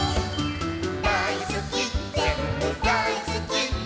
「だいすきぜんぶだいすきっ！」